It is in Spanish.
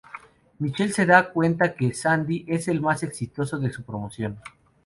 Michele se da cuenta que Sandy es el más exitoso de su promoción.